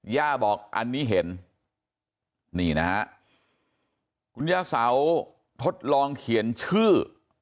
ย่าบอกอันนี้เห็นนี่นะฮะคุณย่าเสาทดลองเขียนชื่อ